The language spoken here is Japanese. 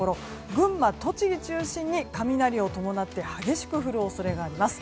群馬、栃木を中心に雷を伴って激しく降る恐れがあります。